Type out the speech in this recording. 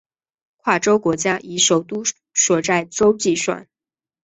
跨洲国家以首都所在洲计算。